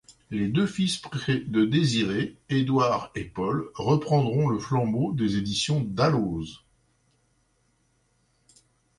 Les deux fils de Désiré, Édouard et Paul, reprendront le flambeau des éditions Dalloz.